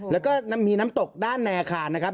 แล้วก็มีน้ำตกด้านในอาคารนะครับ